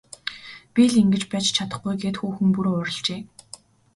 Би л ингэж байж чадахгүй гээд хүүхэн бүр уурлажээ.